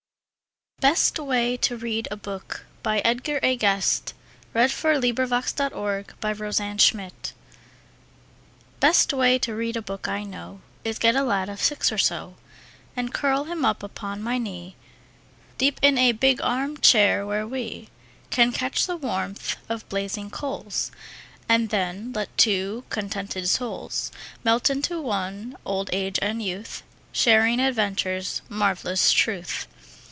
Than that of him who is a boy, a little boy on Christmas Day. Best Way to Read a Book Best way to read a book I know Is get a lad of six or so, And curl him up upon my knee Deep in a big arm chair, where we Can catch the warmth of blazing coals, And then let two contented souls Melt into one, old age and youth, Sharing adventure's marvelous truth.